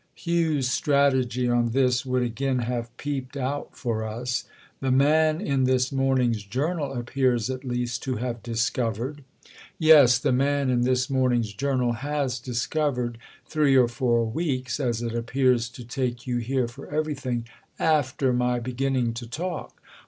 Hugh's strategy on this would again have peeped out for us. "The man in this morning's 'Journal' appears at least to have discovered." "Yes, the man in this morning's 'Journal' has discovered three or four weeks—as it appears to take you here for everything—after my beginning to talk.